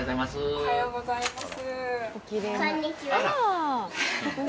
おはようございます。